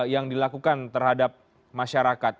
yang dilakukan terhadap masyarakat